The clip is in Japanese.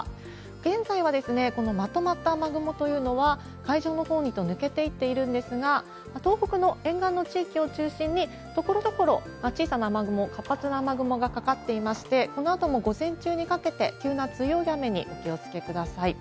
現在はこのまとまった雨雲というのは、海上のほうにと抜けていっているんですが、東北の沿岸の地域を中心にところどころ小さな雨雲、活発な雨雲がかかっていまして、このあとも午前中にかけて、急な強い雨にお気をつけください。